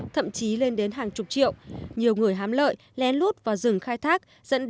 thậm chí lên đến hàng chục triệu nhiều người hám lợi len lút vào rừng khai thác